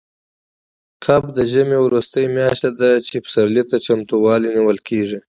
کب د ژمي وروستۍ میاشت ده، چې پسرلي ته چمتووالی نیول کېږي.